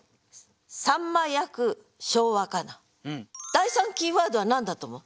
第３キーワードは何だと思う？